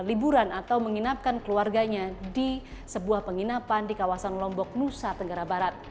liburan atau menginapkan keluarganya di sebuah penginapan di kawasan lombok nusa tenggara barat